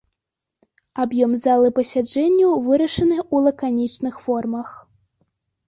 Аб'ём залы пасяджэнняў вырашаны ў лаканічных формах.